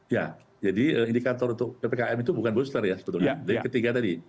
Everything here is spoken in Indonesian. ya jadi indikator untuk ppkm itu bukan booster ya sebetulnya dari ketiga tadi